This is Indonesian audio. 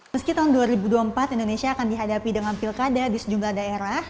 meski tahun dua ribu dua puluh empat indonesia akan dihadapi dengan pilkada di sejumlah daerah